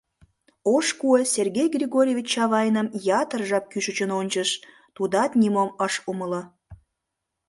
Ош куэ Сергей Григорьевич Чавайным ятыр жап кӱшычын ончыш: тудат нимом ыш умыло...